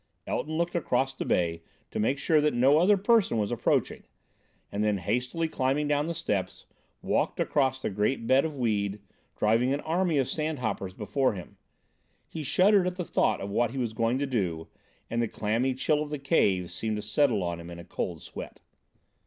Elton looked across the bay to make sure that no other person was approaching, and then, hastily climbing down the steps, walked across the great bed of weed, driving an army of sand hoppers before him. He shuddered at the thought of what he was going to do, and the clammy chill of the cave seemed to settle on him in a cold sweat.